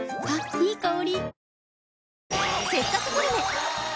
いい香り。